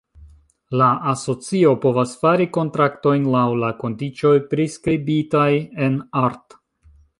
La Asocio povas fari kontraktojn, laŭ la kondiĉoj priskribitaj en art.